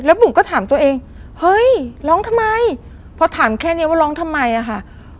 บุ๋มก็ถามตัวเองเฮ้ยร้องทำไมพอถามแค่นี้ว่าร้องทำไมอะค่ะ